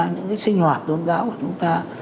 những sinh hoạt tôn giáo của chúng ta